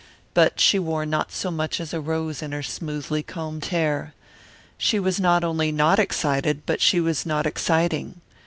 But she wore not so much as a rose in her smoothly combed hair. She was not only not excited but she was not exciting.